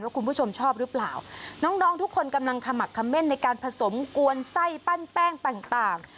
คุณผู้ชมชอบหรือเปล่าน้องน้องทุกคนกำลังขมักคำเม่นในการผสมกวนไส้ปั้นแป้งต่างต่าง